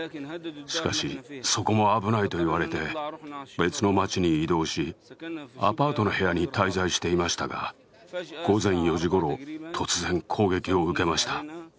しかし、そこも危ないと言われて別の街に移動し、アパートの部屋に滞在していましたが、午前４時ごろ、突然攻撃を受けました。